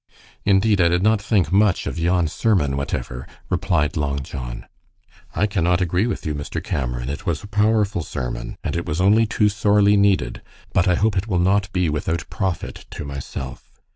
"Indeed, I did not think much of yon sermon, whatever," replied Long John. "I cannot agree with you, Mr. Cameron. It was a powerful sermon, and it was only too sorely needed. But I hope it will not be without profit to myself."